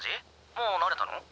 もう慣れたの？